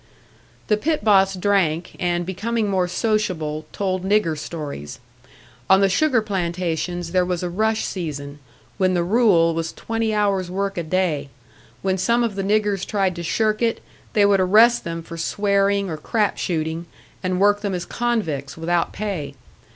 The pit boss drank, and becoming more sociable, told nigger stories. On the sugar plantations there was a rush season, when the rule was twenty hours' work a day; when some of the niggers tried to shirk it, they would arrest them for swearing or crap shooting, and work them as convicts, without pay.